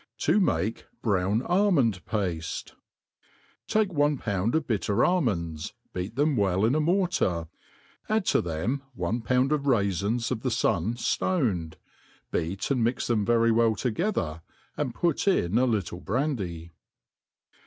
To make Brown Almond Pajie. TAKE one pound of bitter almonds; beat them well irt i mortar ; add to them one pound of raifins of the fun floned 5 beat' and mix them very well together, and put in a little trandy.